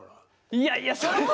いやいやそれが。